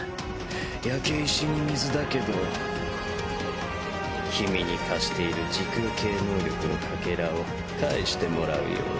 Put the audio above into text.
焼け石に水だけど君に貸している時空系能力のかけらを返してもらうよ。